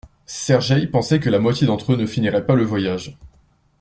Sergeï pensait que la moitié d’entre eux ne finirait pas le voyage.